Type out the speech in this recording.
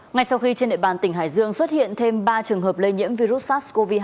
ngay sau khi trên địa bàn tỉnh hải dương xuất hiện thêm ba trường hợp lây nhiễm virus sars cov hai